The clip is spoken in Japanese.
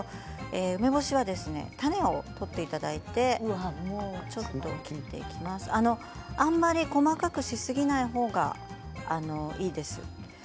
梅干しは種を取っていただいてあまり細かくしすぎない方がいいです。